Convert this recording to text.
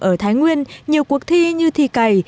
ở thái nguyên nhiều cuộc thi như thi cày